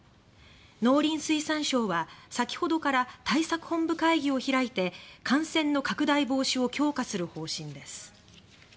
農林水産省は先ほどから対策本部会議を開いて感染の拡大防止を強化する方針です。